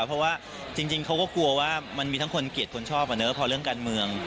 เพราะว่าจริงจริงเขาก็กลัวว่ามันมีทั้งคนเกลียดคนชอบอ่ะเนี่ยเพราะเรื่องการเมือง